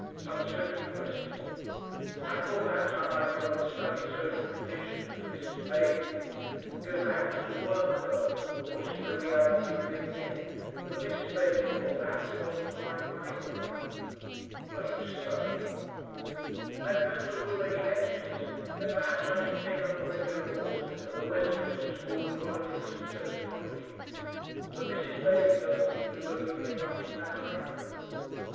Some social question. I thought perhaps I might go and study social conditions as Mrs. Bailey did, go perhaps as a work girl or see the reality of living in, but Mrs. Bailey thought perhaps it wasn't quite my work." "Are you studying?" "I'm going to a good many lectures, and perhaps I shall take up a regular course at the Westminster School of Politics and Sociology. But Mrs. Bailey doesn't seem to believe very much in that either."